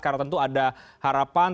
karena tentu ada harapan